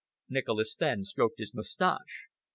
Nicholas Fenn stroked his moustache.